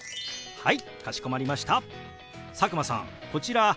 はい。